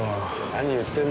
何言ってんだよ